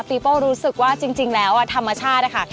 โป้รู้สึกว่าจริงแล้วธรรมชาตินะคะ